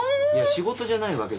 仕事じゃないわけじゃなくて。